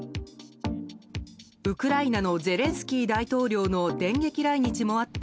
ウクライナのゼレンスキー大統領の電撃来日もあった